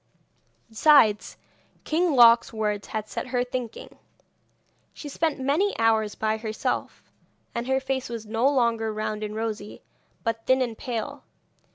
Besides, King Loc's words had set her thinking; she spent many hours by herself, and her face was no longer round and rosy, but thin and pale.